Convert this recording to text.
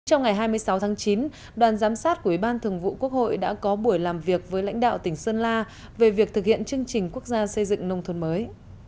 trong ngày hai mươi sáu tháng chín đoàn giám sát của ủy ban thường vụ quốc hội đã có buổi làm việc với lãnh đạo tỉnh sơn la về việc thực hiện chương trình quốc gia xây dựng nông thôn mới